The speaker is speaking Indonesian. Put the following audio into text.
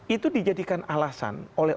itu dijadikan alasan oleh